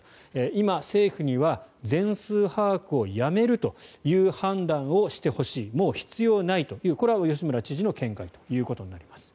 今、政府には全数把握をやめるという判断をしてほしいもう必要ないというこれは吉村知事の見解ということになります。